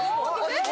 えっ！